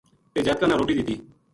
تے جاتکاں نا روٹی دتی